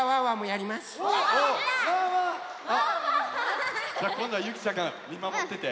やった！じゃあこんどはゆきちゃんがみまもってて。